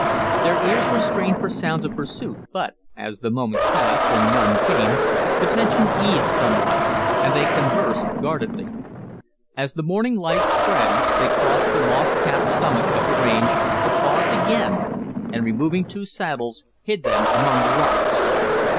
Their ears were strained for sounds of pursuit, but, as the moments passed and none came, the tension eased somewhat and they conversed guardedly. As the morning light spread they crossed the moss capped summit of the range, but paused again, and, removing two saddles, hid them among the rocks.